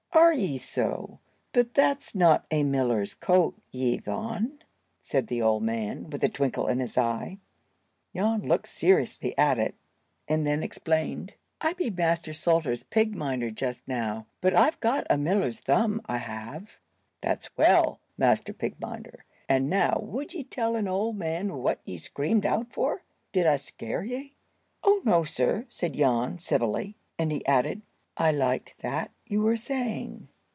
"Are ye so? But that's not a miller's coat ye've on," said the old man, with a twinkle in his eye. Jan looked seriously at it, and then explained. "I be Master Salter's pig minder just now, but I've got a miller's thumb, I have." "That's well, Master Pig minder; and now would ye tell an old man what ye screamed out for. Did I scare ye?" "Oh, no, sir," said Jan, civilly; and he added, "I liked that you were saying."